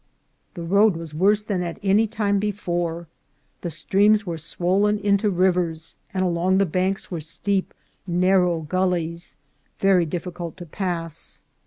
The road was worse than at any time before; the streams were swollen into rivers, and along the banks were steep, narrow gullies, very difficult to pass.